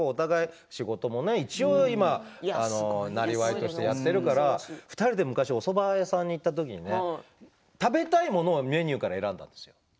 今、一応、仕事もなりわいとしてやっているから２人で昔おそば屋さんに行った時食べたいものをメニューから選ぶんですよ。